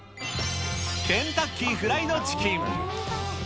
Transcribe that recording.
ケンタッキーフライドチキン。